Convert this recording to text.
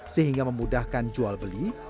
sehingga memudahkan jual beli